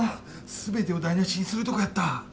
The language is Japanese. すべてを台なしにするとこやった。